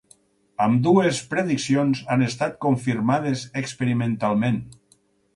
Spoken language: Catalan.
Ambdues prediccions han estat confirmades experimentalment.